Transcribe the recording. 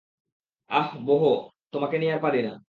অহ, বোহ, তোমাকে নিয়ে আর পাড়ি না।